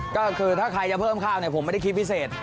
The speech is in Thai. ก็คือถ้าใครจะเพิ่มข้าวเนี่ยผมไม่ได้คิดพิเศษ